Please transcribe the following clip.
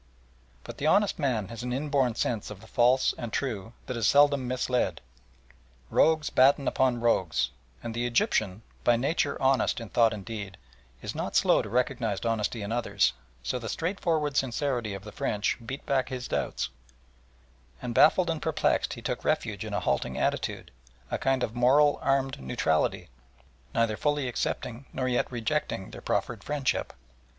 But the honest man has an inborn sense of the false and true that is seldom misled. Rogues batten upon rogues. And the Egyptian, by nature honest in thought and deed, is not slow to recognise honesty in others, so the straightforward sincerity of the French beat back his doubts; and baffled and perplexed he took refuge in a halting attitude, a kind of moral armed neutrality, neither fully accepting nor yet rejecting their proffered friendship.